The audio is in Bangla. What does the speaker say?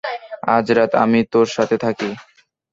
আজ রাত আমি তোর সাথে থাকি।